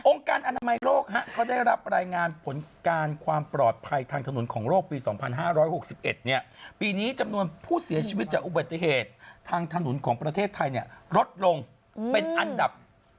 การอนามัยโลกเขาได้รับรายงานผลการความปลอดภัยทางถนนของโลกปี๒๕๖๑ปีนี้จำนวนผู้เสียชีวิตจากอุบัติเหตุทางถนนของประเทศไทยลดลงเป็นอันดับ